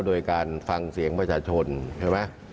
โดยการฟังเสียงประชาชนใช่ไหม